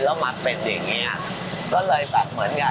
แล้วมาเป็นอย่างเงี้ยก็เลยแบบเหมือนกัน